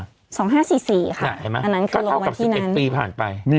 เห็นไหมอันนั้นคือลงมาที่นั้นก็เท่ากับ๑๑ปีผ่านไป